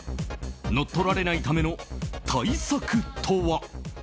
乗っ取られないための対策とは？